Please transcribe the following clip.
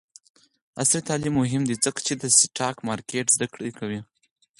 عصري تعلیم مهم دی ځکه چې د سټاک مارکیټ زدکړه کوي.